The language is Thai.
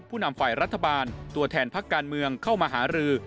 นำฝ่ายรัฐบาลตัวแทนพักการเมืองเข้ามาหารือ